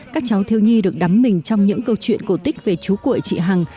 các cháu thiếu nhi được đắm mình trong những câu chuyện cổ tích về chú cuội chị hằng